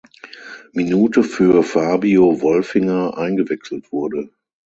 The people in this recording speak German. Minute für Fabio Wolfinger eingewechselt wurde.